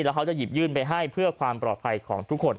แล้วเขาจะหยิบยื่นไปให้เพื่อความปลอดภัยของทุกคน